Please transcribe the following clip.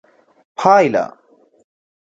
پایله: